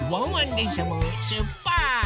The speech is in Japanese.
でんしゃもしゅっぱつ！